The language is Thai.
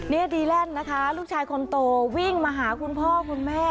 นี่ดีแลนด์นะคะลูกชายคนโตวิ่งมาหาคุณพ่อคุณแม่